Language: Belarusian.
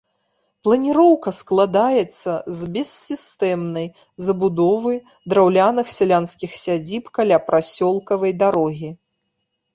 Планіроўка складаецца з бессістэмнай забудовы драўляных сялянскіх сядзіб каля прасёлкавай дарогі.